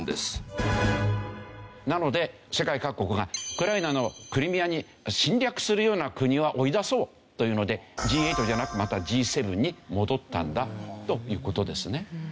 なので世界各国がウクライナのクリミアに侵略するような国は追い出そうというのでＧ８じゃなくまたＧ７に戻ったんだという事ですね。